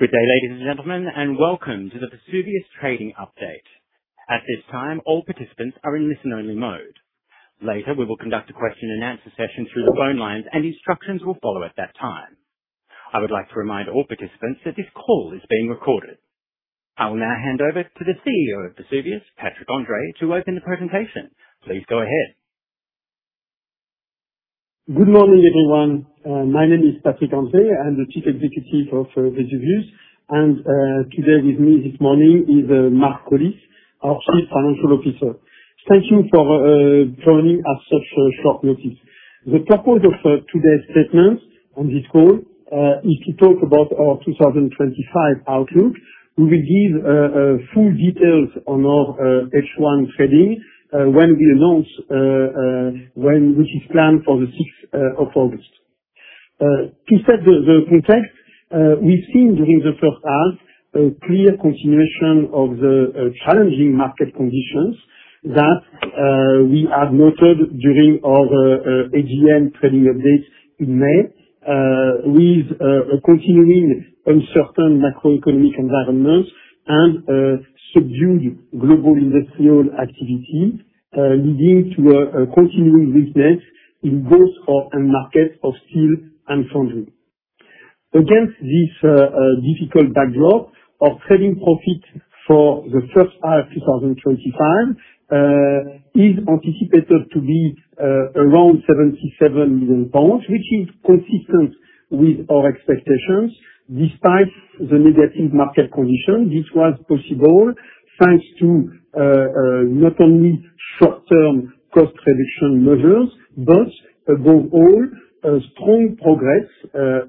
Good day, ladies and gentlemen, and welcome to the Vesuvius trading update. At this time, all participants are in listen-only mode. Later, we will conduct a question and answer session through the phone lines, and instructions will follow at that time. I would like to remind all participants that this call is being recorded. I will now hand over to the CEO of Vesuvius, Patrick André, to open the presentation. Please go ahead. Good morning, everyone. My name is Patrick André. I'm the Chief Executive of Vesuvius. Today with me this morning is Mark Collis, our Chief Financial Officer. Thank you for joining us at such short notice. The purpose of today's statement on this call is to talk about our 2025 outlook. We will give full details on our H1 trading when we announce, which is planned for the 6th of August. To set the context, we've seen during the first half a clear continuation of the challenging market conditions that we had noted during our AGM trading updates in May, with a continuing uncertain macroeconomic environment and subdued global industrial activity, leading to a continuing weakness in both our end markets, hostile and stronger. Against this difficult backdrop, our trading profit for the first half of 2025 is anticipated to be around 77 million pounds, which is consistent with our expectations. Despite the negative market conditions, this was possible thanks to not only short-term cost reduction measures, but above all, strong progress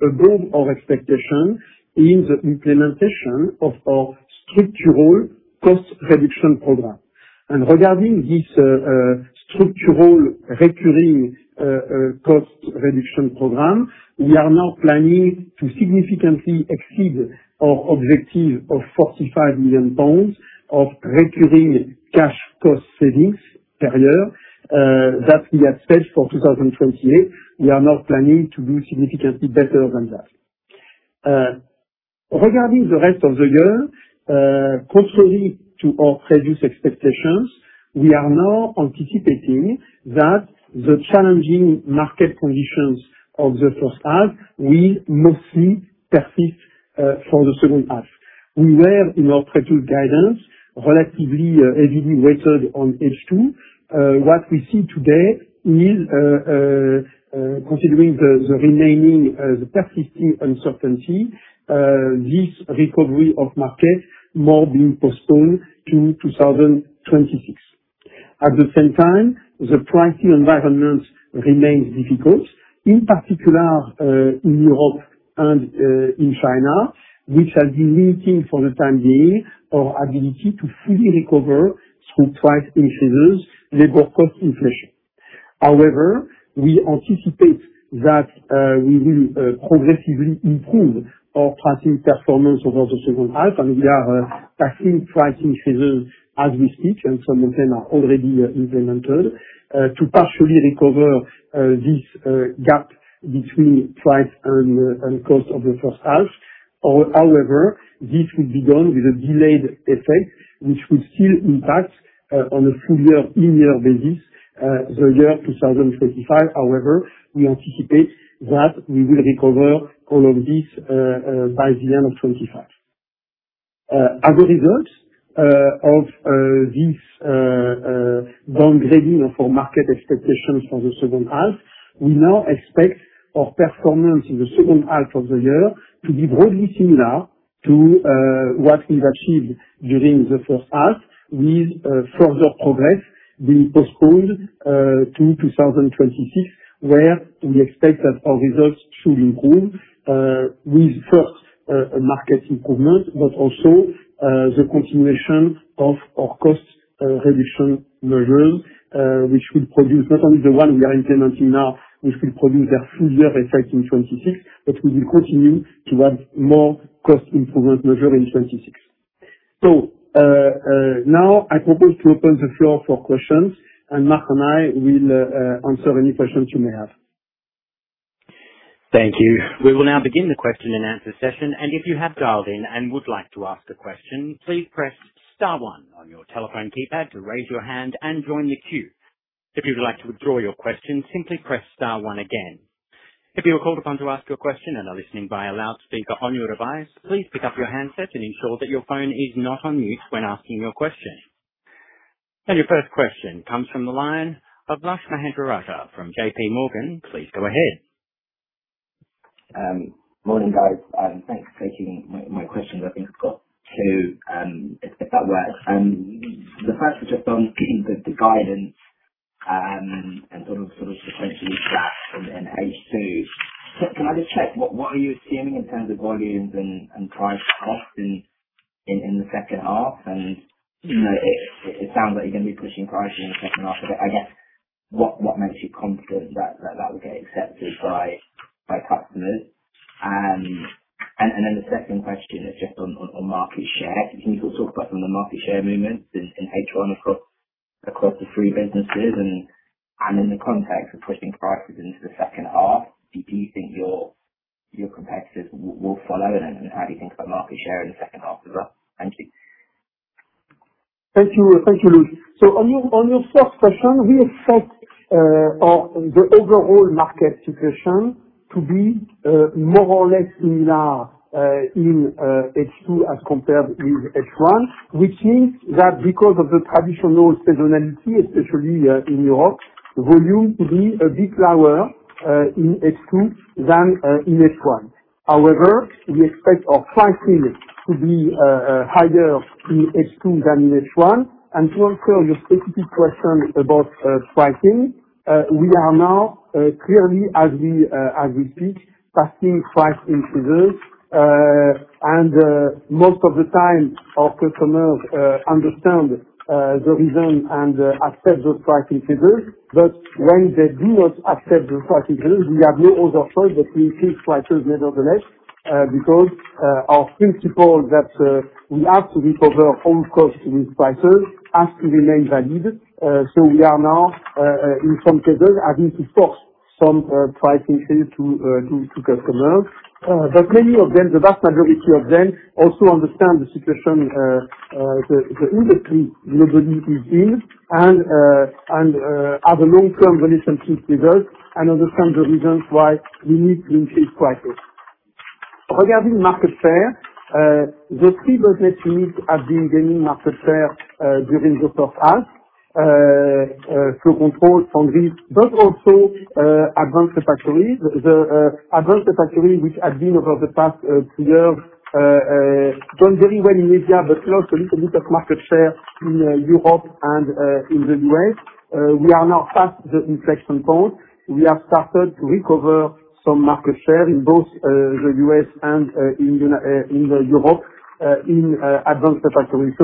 above our expectation in the implementation of our structural cost reduction program. Regarding this structural recurring cost reduction program, we are now planning to significantly exceed our objective of 45 million pounds of recurring cash cost savings per year that we had set for 2028. We are now planning to do significantly better than that. Regarding the rest of the year, contrary to our previous expectations, we are now anticipating that the challenging market conditions of the first half will mostly persist for the second half. We were, in our trade guidance, relatively heavily weighted on H2. What we see today is, considering the remaining, the persisting uncertainty, this recovery of markets more being postponed to 2026. At the same time, the pricing environment remains difficult, in particular in Europe and in China, which has been limiting for the time being our ability to fully recover from price increases and labor cost inflation. However, we anticipate that we will progressively improve our pricing performance over the second half. We are passing price increases as we speak, and some of them are already implemented to partially recover this gap between price and cost of the first half. However, this would be done with a delayed effect, which would still impact, on a full-year, in-year basis, the year 2025. However, we anticipate that we will recover all of this by the end of 2025. As a result of this downgrading of our market expectations for the second half, we now expect our performance in the second half of the year to be broadly similar to what we've achieved during the first half, with further progress being postponed to 2026, where we expect that our results should improve, with first a market improvement, but also the continuation of our cost reduction measures, which will produce not only the one we are implementing now, which will produce their full-year effect in 2026, but we will continue to have more cost improvements measured in 2026. I propose to open the floor for questions, and Mark and I will answer any questions you may have. Thank you. We will now begin the question and answer session. If you have dialed in and would like to ask a question, please press star one on your telephone keypad to raise your hand and join the queue. If you would like to withdraw your question, simply press star one again. If you are called upon to ask your question and are listening via loudspeaker on your device, please pick up your handset and ensure that your phone is not on mute when asking your question. Your first question comes from the line of Lash Mahendraratta from JPMorgan. Please go ahead. Morning, guys. Thanks for taking my questions. I think I've got two, if that works. The first was just on getting the dividends, and sort of differentiate them in H2. I'll just check. What are you assuming in terms of volumes and price cost in the second half? It sounds like you're going to be pushing prices in the second half of it. I guess what makes you confident that will get accepted by customers? The second question is just on market share. Can you talk about some of the market share movements in H1 across the three businesses? In the context of pushing prices into the second half, do you think your competitors will follow? How do you think about market share in the second half as well? Thank you. Thank you. Thank you, Louis. On your first question, we expect the overall market situation to be more or less similar in H2 as compared with H1, which means that because of the traditional seasonality, especially in Europe, volume could be a bit lower in H2 than in H1. However, we expect our pricing to be higher in H2 than in H1. To answer your specific question about pricing, we are now, clearly, as we speak, passing price increases, and most of the time, our customers understand the reason and accept the price increases. When they do not accept the price increases, we have no other choice but to increase prices nevertheless, because our principle that we have to recover all costs with prices has to remain valid. We are now, in some cases, having to force some price increases to customers. Many of them, the vast majority of them, also understand the situation, the industry globally is in and have a long-term relationship with us and understand the reasons why we need to increase prices. Regarding market share, the three business units have been gaining market share during the first half: Flow Control, Foundry, but also Advanced Refractories. Advanced Refractories, which had been over the past two years, done very well in Asia, but lost a little bit of market share in Europe and in the U.S. We are now past the inflection point. We have started to recover some market share in both the U.S. and in Europe in Advanced Refractories.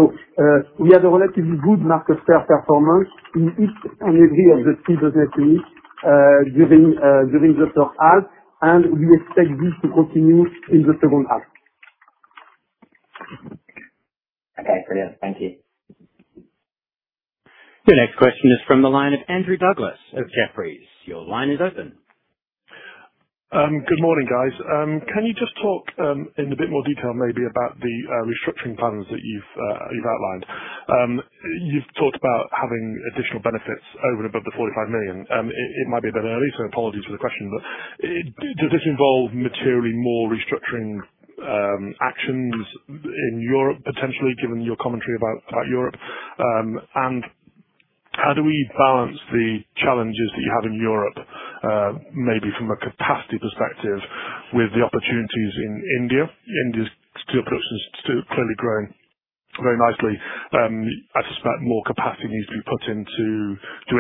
We had a relatively good market share performance in each and every of the three business units during the first half. We expect this to continue in the second half. Okay. Brilliant. Thank you. Your next question is from the line of Andrew Douglas of Jefferies. Your line is open. Good morning, guys. Can you just talk in a bit more detail maybe about the restructuring plans that you've outlined? You've talked about having additional benefits over and above the 45 million. It might be a bit early, so apologies for the question. Does this involve materially more restructuring actions in Europe potentially, given your commentary about Europe? How do we balance the challenges that you have in Europe, maybe from a capacity perspective, with the opportunities in India? India's steel production is still fairly growing, growing nicely. I suspect more capacity needs to be put into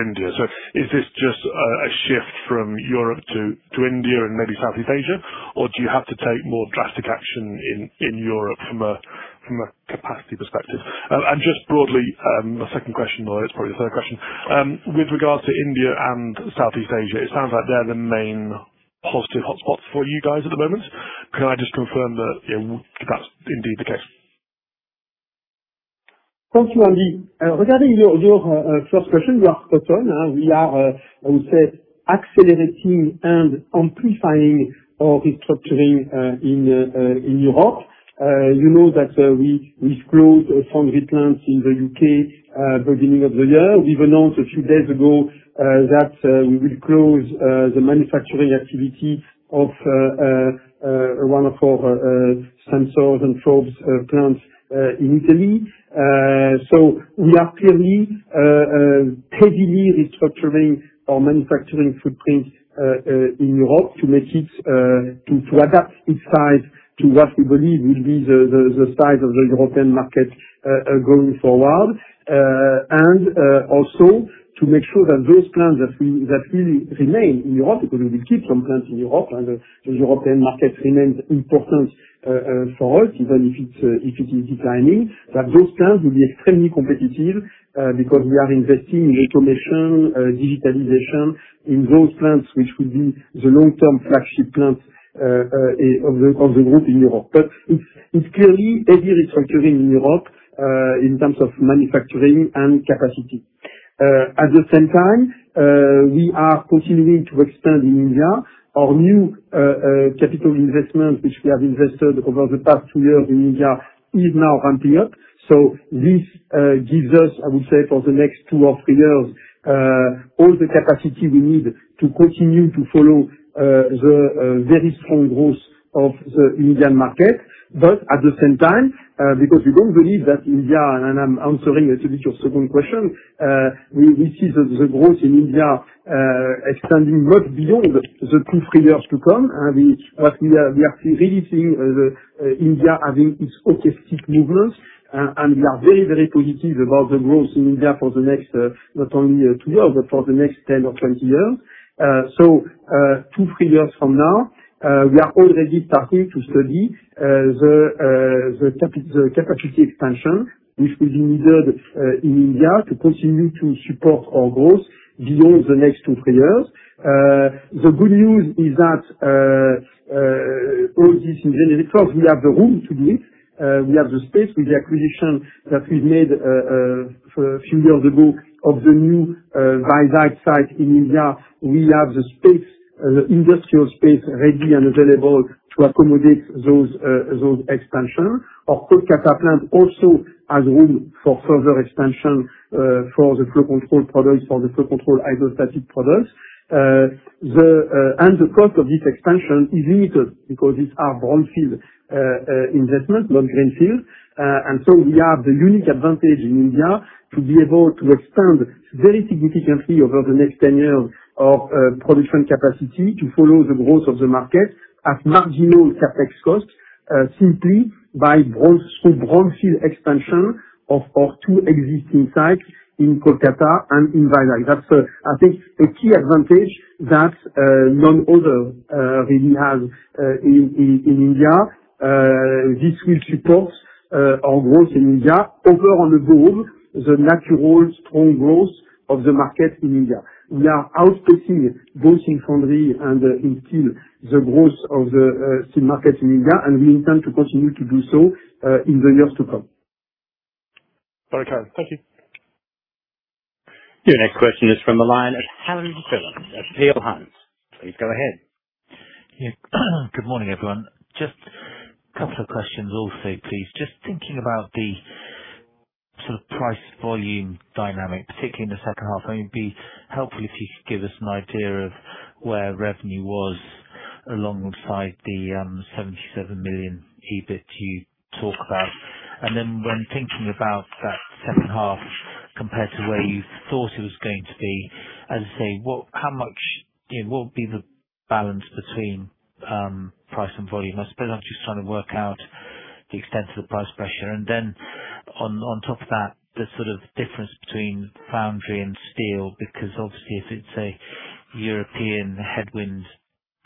India. Is this just a shift from Europe to India and maybe Southeast Asia? Do you have to take more drastic action in Europe from a capacity perspective? Broadly, my second question, or it's probably the third question, with regard to India and Southeast Asia, it sounds like they're the main positive hotspots for you guys at the moment. Can I just confirm that, yeah, that's indeed the case? Thank you, Andy. Regarding your first question, we are accelerating and amplifying our restructuring in Europe. You know that we closed Sandris plants in the U.K. at the beginning of the year. We've announced a few days ago that we will close the manufacturing activity of one of our stencils and probes plants in Italy. We are clearly heavily restructuring our manufacturing footprint in Europe to adapt its size to what we believe will be the size of the European market going forward. Also, to make sure that those plants that really remain in Europe, because we will keep some plants in Europe and the European market remains important for us even if it is declining, those plants will be extremely competitive because we are investing in automation and digitalization in those plants, which would be the long-term flagship plant of the group in Europe. It's clearly heavy restructuring in Europe in terms of manufacturing and capacity. At the same time, we are continuing to expand in India. Our new capital investment, which we have invested over the past two years in India, is now ramping up. This gives us, for the next two or three years, all the capacity we need to continue to follow the very strong growth of the Indian market. At the same time, because we don't believe that India, and I'm answering actually to your second question, we see the growth in India extending much beyond the two, three years to come. What we are really seeing is India having its hockey stick movements. We are very, very positive about the growth in India for the next, not only two years, but for the next 10 or 20 years. Two, three years from now, we are already starting to study the capacity expansion which will be needed in India to continue to support our growth beyond the next two, three years. The good news is that all this in general, first, we have the room to do it. We have the space with the acquisition that we've made a few years ago of the new Vivite site in India. We have the industrial space ready and available to accommodate those expansions. Our Kolkata plant also has room for further expansion for the Flow Control products, for the Flow Control isostatic products. The cost of this expansion is limited because these are brownfield investments, not greenfield, and so we have the unique advantage in India to be able to expand very significantly over the next 10 years of production capacity to follow the growth of the market at marginal CapEx costs, simply by brownfield expansion of our two existing sites in Kolkata and in Vivite. I think that's a key advantage that none other really has in India. This will support our growth in India over and above the natural, strong growth of the market in India. We are outpacing both in Foundry and in steel the growth of the steel market in India, and we intend to continue to do so in the years to come. Okay, thank you. Your next question is from the line of Helen Pillar of Peel Hunt. Please go ahead. Yeah. Good morning, everyone. Just a couple of questions also, please. Just thinking about the sort of price volume dynamic, particularly in the second half. I mean, it'd be helpful if you could give us an idea of where revenue was alongside the 77 million EBIT you talk about. When thinking about that second half compared to where you thought it was going to be, as I say, how much, you know, what would be the balance between price and volume? I suppose I'm just trying to work out the extent of the price pressure. On top of that, the sort of difference between Foundry and steel because, obviously, if it's a European headwind,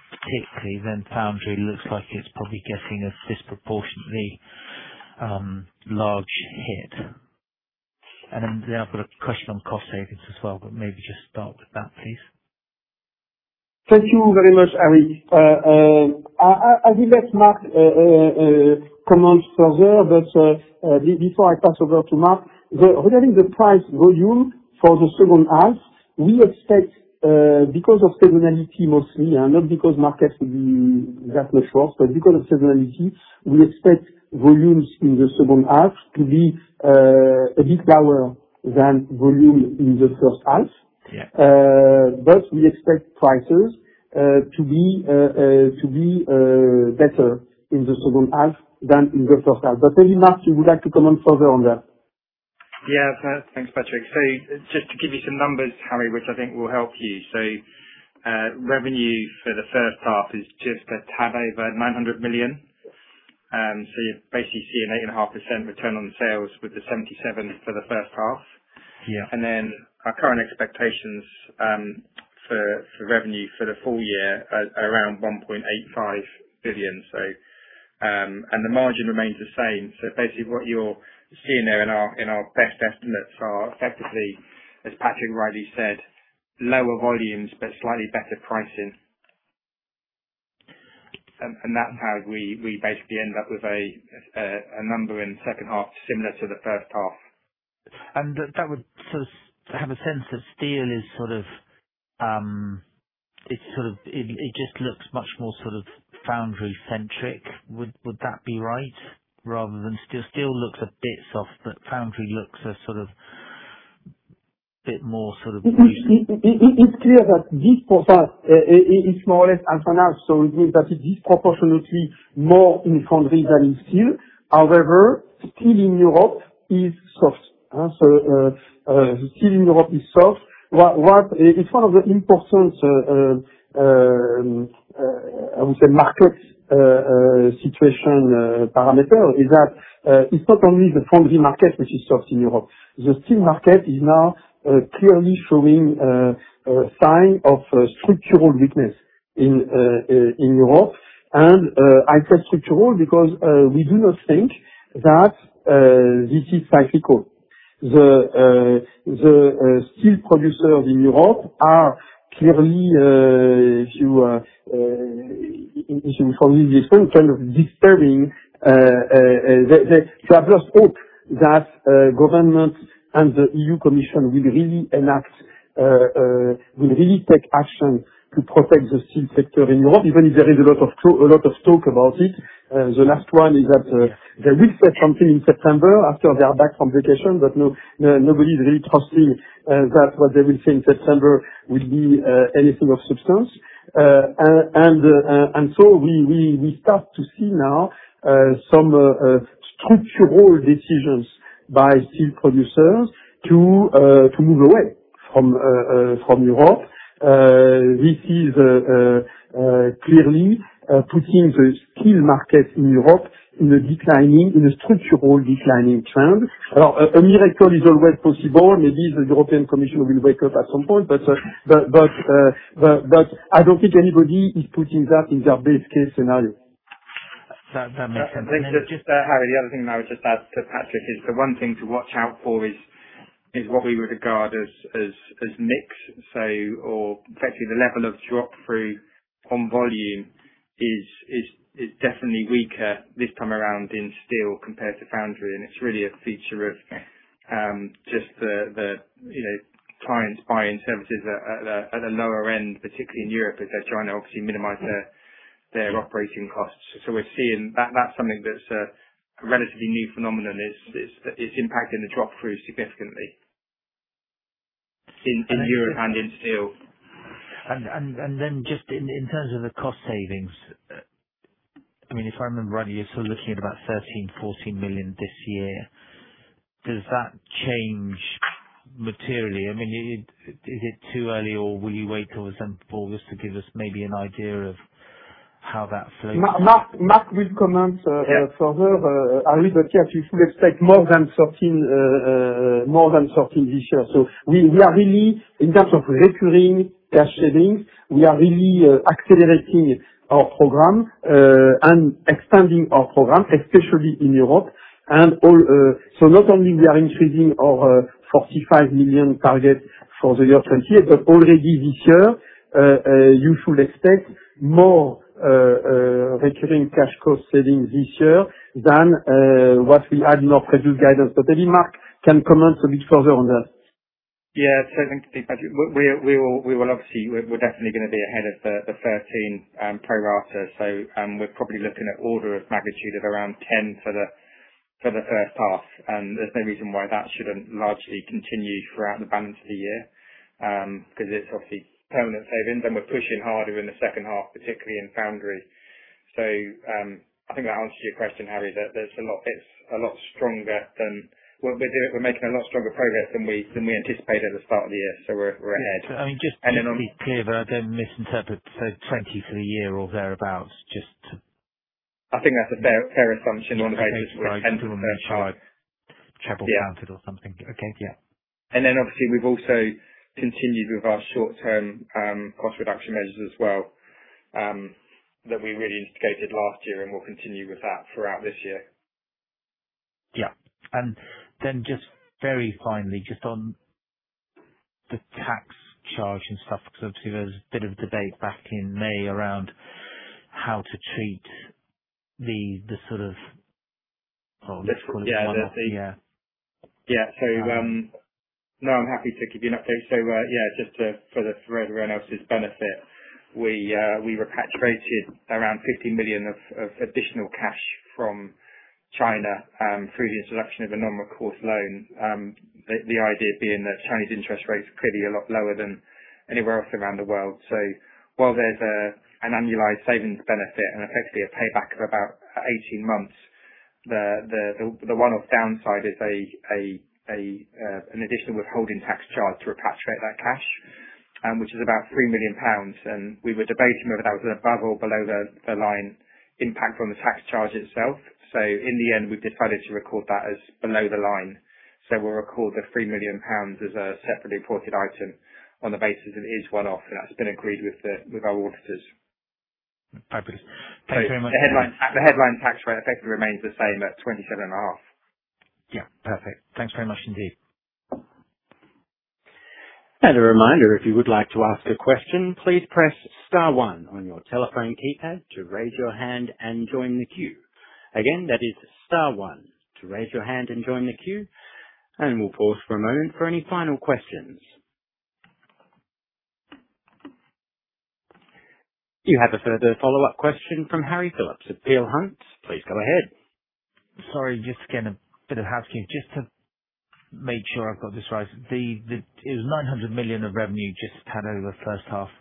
particularly, then Foundry looks like it's probably getting a disproportionately large hit. I've got a question on cost savings as well, but maybe just start with that, please. Thank you very much, Eric. I will let Mark comment further. Before I pass over to Mark, regarding the price volume for the second half, we expect, because of seasonality mostly, not because markets would be that much worse, but because of seasonality, we expect volumes in the second half to be a bit lower than volume in the first half. Yeah. We expect prices to be better in the second half than in the first half. Maybe Mark, you would like to comment further on that. Yeah. Thanks, Patrick. Just to give you some numbers, Harry, which I think will help you. Revenue for the first half is just a tad over 900 million. You're basically seeing 8.5% return on sales with the 77 million for the first half. Our current expectations for revenue for the full year are around 1.85 billion, and the margin remains the same. What you're seeing there in our best estimates are effectively, as Patrick rightly said, lower volumes but slightly better pricing. That's how we basically end up with a number in the second half similar to the first half. That would sort of have a sense that steel is sort of, it just looks much more sort of foundry-centric. Would that be right? Rather than steel, steel looks a bit soft, but foundry looks a sort of a bit more sort of loose. It's clear that this product is more or less as an ass. So it means that it's disproportionately more in Foundry than in steel. However, steel in Europe is soft. Steel in Europe is soft. What is one of the important, I would say, market situation parameters is that it's not only the Foundry market which is soft in Europe. The steel market is now clearly showing signs of structural weakness in Europe. I say structural because we do not think that this is cyclical. The steel producers in Europe are clearly, if you follow this explained, kind of disturbing, they have lost hope that government and the European Commission will really enact, will really take action to protect the steel sector in Europe, even if there is a lot of talk about it. The last one is that they will say something in September after they are back from vacation, but nobody is really trusting that what they will say in September will be anything of substance. We start to see now some structural decisions by steel producers to move away from Europe. This is clearly putting the steel market in Europe in a structural declining trend. A miracle is always possible. Maybe the European Commission will wake up at some point. I don't think anybody is putting that in their best-case scenario. That makes sense. Just to add, Harry, the other thing that I would just add to Patrick is the one thing to watch out for is what we would regard as mix, or effectively, the level of drop-through on volume is definitely weaker this time around in steel compared to Foundry. It's really a feature of clients buying services at a lower end, particularly in Europe, as they're trying to obviously minimize their operating costs. We're seeing that that's something that's a relatively new phenomenon. It's impacting the drop-through significantly in Europe and in steel. In terms of the cost savings, if I remember rightly, you're sort of looking at about 13 million, 14 million this year. Does that change materially? Is it too early, or will you wait till the 7th of August to give us maybe an idea of how that flow? Mark will comment further, Harry, but yes, we should expect more than 13, more than 13 this year. We are really, in terms of recurring cash savings, accelerating our program and expanding our program, especially in Europe. Also, not only are we increasing our 45 million target for the year 2028, but already this year, you should expect more recurring cash cost savings than what we had in our previous guidance. Maybe Mark can comment a bit further on that. Thank you, Patrick. We will obviously, we're definitely going to be ahead of the 13, pro rata. We're probably looking at an order of magnitude of around 10 for the first half. There's no reason why that shouldn't largely continue throughout the balance of the year, because it's obviously permanent savings. We're pushing harder in the second half, particularly in Foundry. I think that answers your question, Harry, that it's a lot stronger than we're making a lot stronger progress than we anticipated at the start of the year. We're ahead. Just to be clear, so I don't misinterpret. We've also continued with our short-term cost reduction measures as well, that we really instigated last year, and we'll continue with that throughout this year. Very finally, just on the tax charge and stuff, because there was a bit of debate back in May around how to treat the sort of, let's call it the number. I'm happy to give you an update. Just to further throw it around, it's benefit. We repatriated around 15 million of additional cash from China through the introduction of a non-recourse loan. The idea being that Chinese interest rates are clearly a lot lower than anywhere else around the world. While there's an annualized savings benefit and effectively a payback of about 18 months, the one-off downside is an additional withholding tax charge to repatriate that cash, which is about 3 million pounds. We were debating whether that was above or below the line impact on the tax charge itself. In the end, we've decided to record that as below the line. We'll record the GBP £3 million as a separately reported item on the basis it is one-off. That's been agreed with our auditors. Fabulous. Thanks very much. The headline tax rate effectively remains the same at 27.5%. Yeah, perfect. Thanks very much indeed. A reminder, if you would like to ask a question, please press star one on your telephone keypad to raise your hand and join the queue. Again, that is star one to raise your hand and join the queue. We'll pause for a moment for any final questions. You have a further follow-up question from Harry Phillips at Peel Hunt. Please go ahead. Sorry, just again, a bit of housekeeping, just to make sure I've got this right. It was 900 million of revenue just had over the first half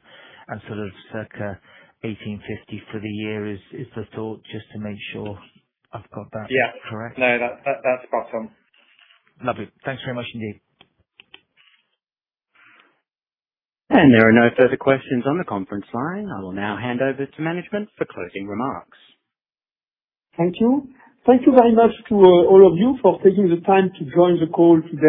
and sort of circa 1,850 million for the year is the thought, just to make sure I've got that correct. Yeah, that's spot on. Lovely. Thanks very much indeed. There are no further questions on the conference line. I will now hand over to management for closing remarks. Thank you. Thank you very much to all of you for taking the time to join the call today.